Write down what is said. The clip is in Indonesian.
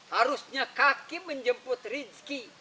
harusnya kaki menjemput rizki